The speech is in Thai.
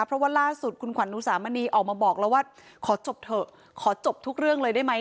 เพราะว่าล่าสุดคุณขวัญอุสามณีออกมาบอกแล้วว่าขอจบเถอะขอจบทุกเรื่องเลยได้ไหม